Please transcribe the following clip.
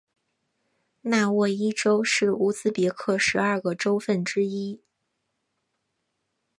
纳沃伊州是乌兹别克十二个州份之一。